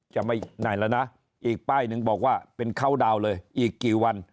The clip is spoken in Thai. จะไม่ไหนแล้วนะอีกป้ายหนึ่งบอกว่าเป็นเขาดาวน์เลยอีกกี่วัน